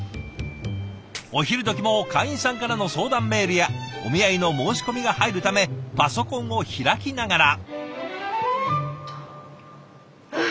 お昼どきも会員さんからの相談メールやお見合いの申し込みが入るためパソコンを開きながら。